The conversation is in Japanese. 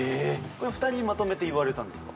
２人まとめて言われたんですか？